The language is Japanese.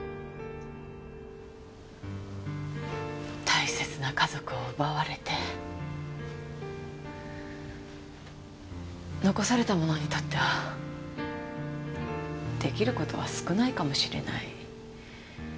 大切な家族を奪われて残された者にとっては出来る事は少ないかもしれない。